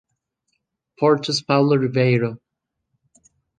Porto's Paulo Ribeiro.